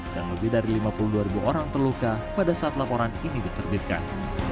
dan lebih dari lima puluh dua ribu orang terluka pada saat laporan ini diperjelaskan